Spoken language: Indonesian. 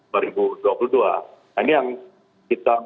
nah ini yang kita